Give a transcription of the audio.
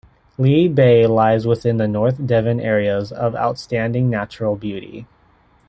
Lee Bay lies within the North Devon Areas of Outstanding Natural Beauty.